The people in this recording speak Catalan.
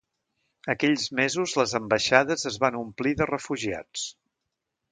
Aquells mesos les ambaixades es van omplir de refugiats.